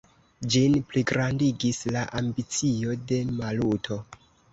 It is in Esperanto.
Ĝin pligrandigis la ambicio de Maluto.